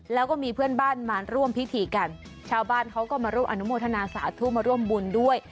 แล้วก็มีเพื่อนบ้านมาร่วมพิธีกันชาวบ้านเขาก็มาร่วมอนุโมทนาสาธุมาร่วมบุญด้วย